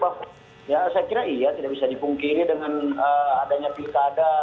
saya kira iya tidak bisa dipungkiri dengan adanya pilkada